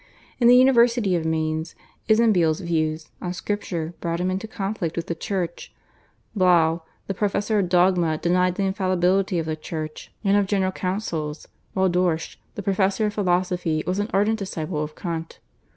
In the University of Mainz Isenbiehl's views on Scripture brought him into conflict with the Church; Blau, the professor of dogma, denied the infallibility of the Church and of General Councils; while Dorsch, the professor of philosophy, was an ardent disciple of Kant.